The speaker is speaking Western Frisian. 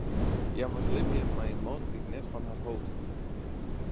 Hja moast libje mei in man dy't net fan har hold.